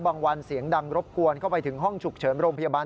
วันเสียงดังรบกวนเข้าไปถึงห้องฉุกเฉินโรงพยาบาล